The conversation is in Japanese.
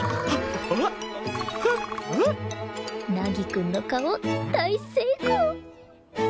凪くんの顔大成功！